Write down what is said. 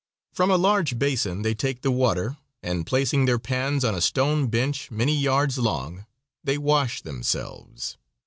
From a large basin they take the water, and placing their pans on a stone bench many yards long they wash themselves.